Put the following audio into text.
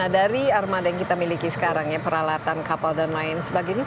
dari armada yang kita miliki sekarang ya peralatan kapal dan lain sebagainya